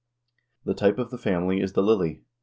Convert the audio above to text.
The type of the family is the lily.